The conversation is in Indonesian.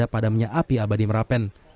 pada menyia api abadi merapen